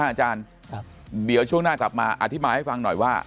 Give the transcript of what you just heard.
อาจารย์เดี๋ยวช่วงหน้ากลับมาอธิบายให้ฟังหน่อยว่า